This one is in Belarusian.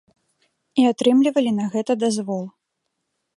І атрымлівалі на гэта дазвол.